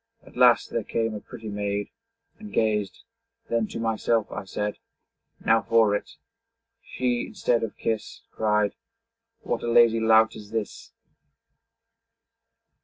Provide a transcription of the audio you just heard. At last there came a pretty maid, And gazed; then to myself I said, 'Now for it!' She, instead of kiss, Cried, 'What a lazy lout is this!'